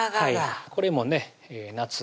これもね夏